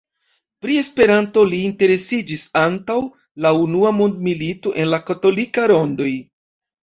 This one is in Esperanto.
Pri Esperanto li interesiĝis antaŭ la unua mondmilito, en la katolikaj rondoj.